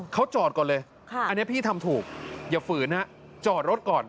เขาจอดก่อนเลยอันนี้พี่ทำถูกอย่าฝืนฮะจอดรถก่อน